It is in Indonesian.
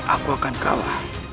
aku akan kalah